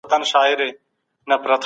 هسي نه چي مو باور په دې اسمان سي